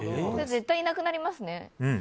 絶対いなくなりますね。